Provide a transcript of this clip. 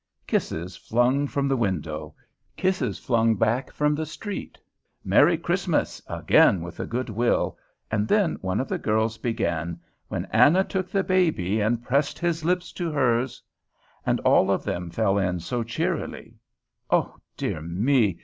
Kisses flung from the window; kisses flung back from the street. "Merry Christmas" again with a good will, and then one of the girls began "When Anna took the baby, And pressed his lips to hers" and all of them fell in so cheerily. O dear me!